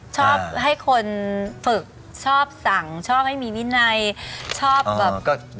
ชอบให้คนฝึกชอบสั่งชอบให้มีวินัยชอบแบบ